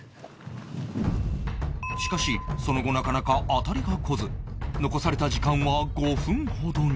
しかしその後なかなか当たりがこず残された時間は５分ほどに